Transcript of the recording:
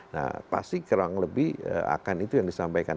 nah pasti kurang lebih akan itu yang disampaikan